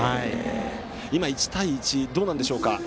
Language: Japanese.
今、１対１ですがどうなんでしょうか。